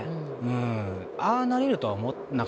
ああなれるとは思わなかったですけど。